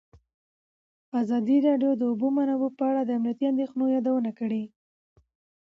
ازادي راډیو د د اوبو منابع په اړه د امنیتي اندېښنو یادونه کړې.